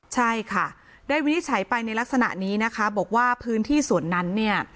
ใช่ค่ะได้วินิจฉัยไปในลักษณะนี้นะคะบอกว่าพื้นที่ส่วนนั้นเนี่ย